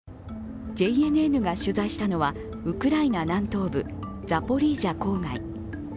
ＪＮＮが取材したのはウクライナ南東部ザポリージャ郊外。